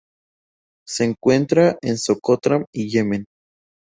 Se encuentra en Socotra y Yemen.